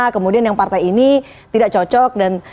kemudian yang partai ini tidak cocok